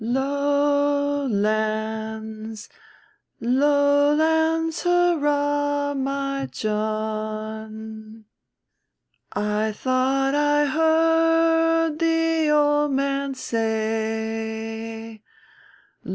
"Low lands, low lands, hurrah, my John, I thought I heard the old man say.